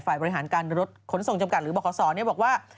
ฝ่ายบริหารการลดขนส่งจำกัดหรือบรขสอร์นี้บอกว่า